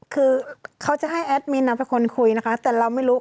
คือเขาจะให้แอดมินเป็นคนคุยนะคะแต่เราไม่รู้